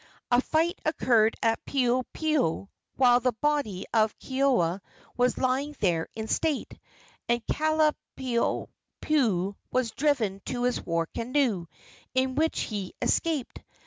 A fight occurred at Piopio while the body of Keoua was lying there in state, and Kalaniopuu was driven to his war canoe, in which he escaped.